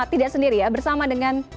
tidak sendiri ya bersama dengan